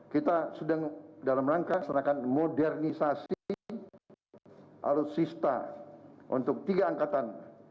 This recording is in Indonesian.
kita sedang dalam rangka senakan modernisasi alutsista untuk tiga angkatan